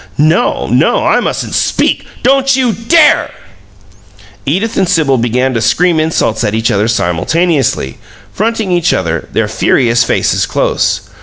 "No! No! I mustn't SPEAK " "Don't you DARE!" Edith and Sibyl began to scream insults at each other simultaneously, fronting each other, their furious faces close.